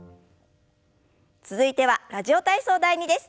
続いては「ラジオ体操第２」です。